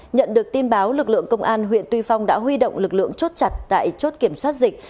nhận được tin báo lực lượng công an huyện tuy phong đã huy động lực lượng chốt chặt tại chốt kiểm soát dịch